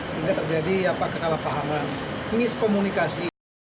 sehingga terjadi kesalahpahaman miskomunikasi